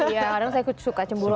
ya kadang saya suka cemburu